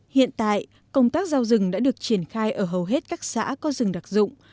hiện tại công tác giao rừng đã được triển khai ở hầu hết các xã có rừng đặc dụng